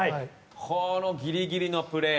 あのギリギリのプレー。